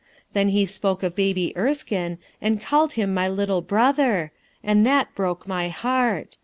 Then he spoke of Baby Erskine and called him my little brother; and that broke my heart.